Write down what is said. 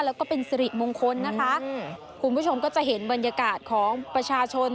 แล้วก็เป็นสิริมงคลนะคะคุณผู้ชมก็จะเห็นบรรยากาศของประชาชน